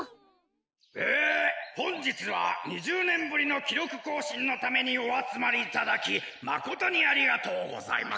えほんじつは２０ねんぶりのきろくこうしんのためにおあつまりいただきまことにありがとうございます。